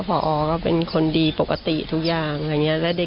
พอก็เป็นคนดีปกติทุกอย่างอะไรอย่างนี้